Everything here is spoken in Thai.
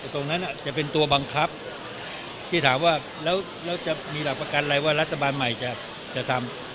ตรงนั้นจะเป็นตัวบังคับที่ถามว่าแล้วจะมีหลักประกันอะไรว่ารัฐบาลใหม่จะทำ